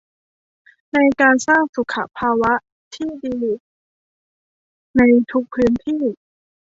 ในการสร้างสุขภาวะที่ดีในทุกพื้นที่